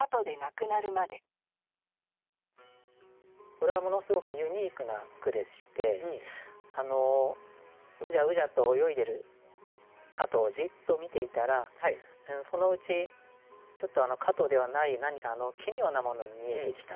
これはものすごくユニークな句でしてうじゃうじゃと泳いでる蝌蚪をじっと見ていたらそのうちちょっと蝌蚪ではない何か奇妙なものに見えてきたという句ですね。